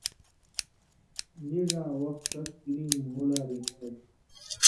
نیڙاں وخ ݜس کریم مھو لا رِݩگائ۔